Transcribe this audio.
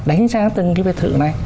đánh giá từng cái biệt thự này